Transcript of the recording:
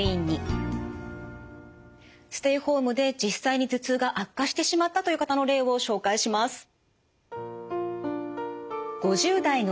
ステイホームで実際に頭痛が悪化してしまったという方の例を紹介します。